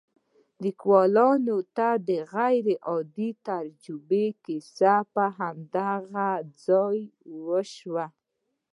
ليکوال ته د غير عادي تجربې کيسه په هماغه ځای وشوه.